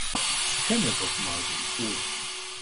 Scanne doch mal den Code.